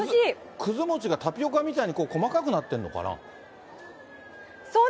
くず餅がタピオカみたいに細かくなってんのかな？